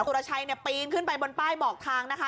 รชัยปีนขึ้นไปบนป้ายบอกทางนะคะ